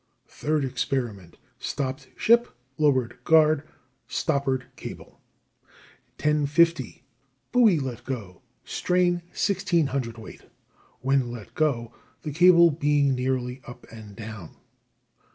Third experiment stopped ship, lowered guard, stoppered cable. 10.50, buoy let go, strain 16 cwt. when let go, the cable being nearly up and down.